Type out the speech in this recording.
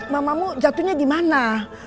mamamu jatuhnya dimana